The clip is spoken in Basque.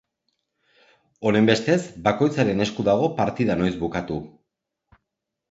Honenbestez bakoitzaren esku dago partida noiz bukatu.